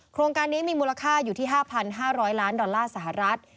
โครงการนี้มีมูลค่าอยู่ที่๕๕๐๐ล้านดอลลาร์สหรัฐ